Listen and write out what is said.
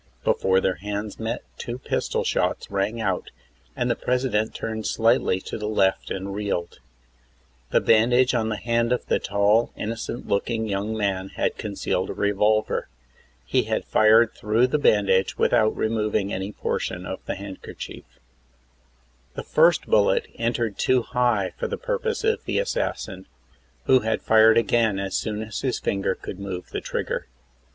Before their hands met two pistol shots rang out, and the President turned slightly to the left and reeled. The bandage on the hand of the tall, innocent looking young man had concealed a revolver. He had fired through the bandage without removing any portion of the handkerchief. THE ASSASSINATION OF PRESIDENT McKINLEY. 35 The first bullet entered too high for the purpose of the assassin, who had fired again as soon as his finger could move the trigger.